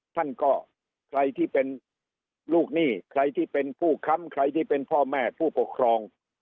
ท่านก็ใครที่เป็นลูกหนี้ใครที่เป็นผู้ค้ำใครที่เป็นพ่อแม่ผู้ปกครอง